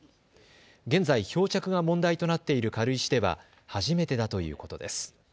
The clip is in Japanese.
現在、漂着が問題となっている軽石では初めてだということです。